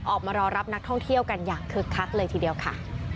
ออกมารอรับนักท่องเที่ยวกันอย่างคึกคักเลยทีเดียวค่ะ